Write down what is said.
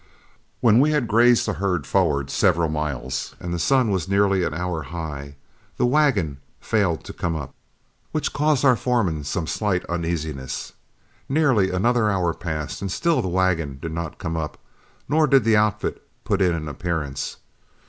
When we had grazed the herd forward several miles, and the sun was nearly an hour high, the wagon failed to come up, which caused our foreman some slight uneasiness. Nearly another hour passed, and still the wagon did not come up nor did the outfit put in an appearance.